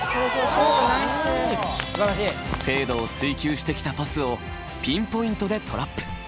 精度を追求してきたパスをピンポイントでトラップ。